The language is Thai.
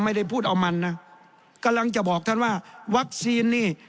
ไม่ได้พูดเอามันนะกำลังจะบอกท่านว่าวัคซีนนี่